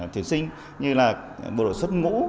thuyền sinh như là bộ đội xuất ngũ